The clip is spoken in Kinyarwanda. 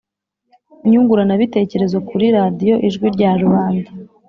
nyunguranabitekerezo kuri Radiyo Ijwi Rya Rubanda.